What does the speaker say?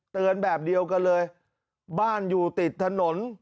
เตือนแบบเดียวกันเลยบ้านอยู่ติดถนน